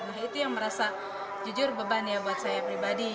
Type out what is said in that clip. nah itu yang merasa jujur beban ya buat saya pribadi